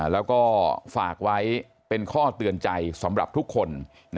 แล้วก็ฝากไว้เป็นข้อเตือนใจสำหรับทุกคน